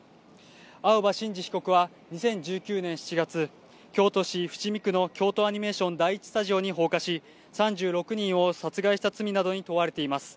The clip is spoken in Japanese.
青葉真司被告は２０１９年７月、京都市伏見区の京都アニメーション第１スタジオに放火し、３６人を殺害した罪などに問われています。